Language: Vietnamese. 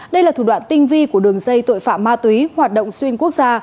đây là thủ đoạn tinh vi của đường dây tội phạm ma túy hoạt động xuyên quốc gia